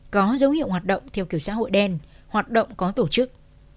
có dấu hiệu hoạt động theo kiểu xã hội đen hoạt động có tổ chức